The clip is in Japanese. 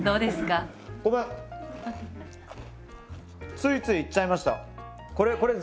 ついついいっちゃいました。